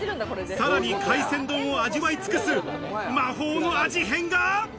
さらに海鮮丼を味わい尽くす、魔法の味変が。